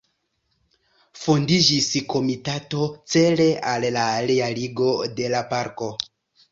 Fondiĝis komitato cele al la realigo de la parko.